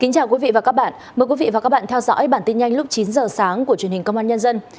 chào mừng quý vị đến với bản tin nhanh lúc chín giờ sáng của truyền hình công an nhân dân